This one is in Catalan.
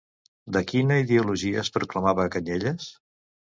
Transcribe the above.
De quina ideologia es proclamava Cañellas?